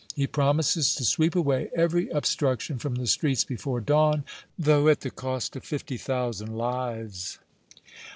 He promises to sweep away every obstruction from the streets before dawn, though at the cost of fifty thousand lives."